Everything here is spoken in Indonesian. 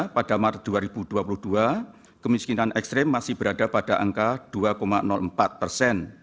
pada maret dua ribu dua puluh dua kemiskinan ekstrim masih berada pada angka dua empat persen